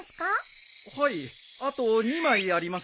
はいあと２枚あります。